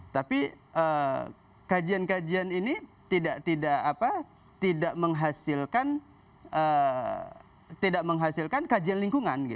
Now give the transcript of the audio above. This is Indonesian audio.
tapi kajian kajian ini tidak menghasilkan kajian lingkungan